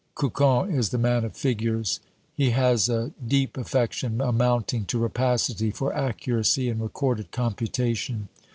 Cocon is the Man of Figures. He has a deep affection, amounting to rapacity, for accuracy in recorded computation.